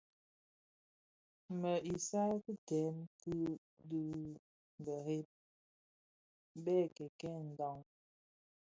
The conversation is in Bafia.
Më isal ki dèm dhi kibëri bè kèkèè ndhaň.